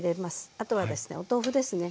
あとはですねお豆腐ですね。